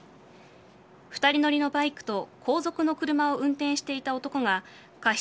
２人乗りのバイクと後続の車を運転していた男が過失